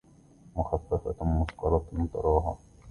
مخففة مثقلة تراها